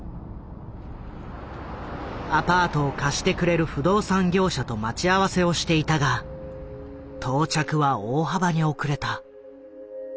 アパートを貸してくれる不動産業者と待ち合わせをしていたが到着は大幅に遅れた。